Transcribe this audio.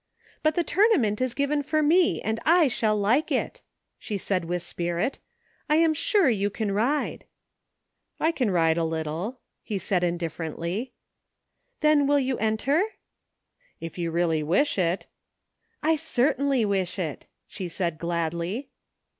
But the tournament is given for me, and I shall like it," she said with spirit " I am sure you can ride." " I can ride a little," he said indifferently. " Then you will enter? "If you really wish it' " I certainly wish it," she said gladly.